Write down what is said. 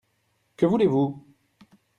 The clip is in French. Que voulez-vous ?